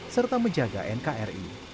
serta menjaga nkri